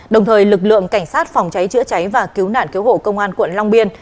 đồng thời lực lượng cảnh sát phòng cháy chữa cháy và cứu nạn cứu hộ công an quận long biên